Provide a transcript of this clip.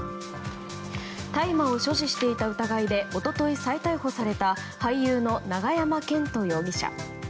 大麻を所持していた疑いで一昨日、再逮捕された俳優の永山絢斗容疑者。